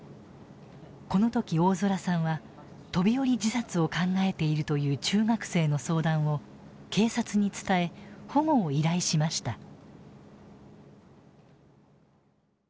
この時大空さんは飛び降り自殺を考えているという中学生の相談を警察に伝え保護を依頼しました。